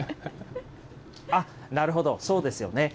あっ、なるほど、そうですよね。